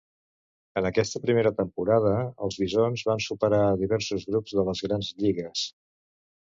En aquesta primera temporada, els Bisons van superar a diversos equips de les grans lligues.